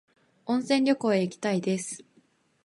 温泉旅行へ行きたいです。